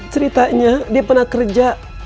ceritanya dia pernah kerja